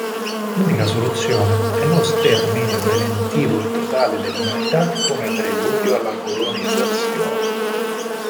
L’unica soluzione è lo sterminio preventivo e totale dell’umanità come preludio alla colonizzazione.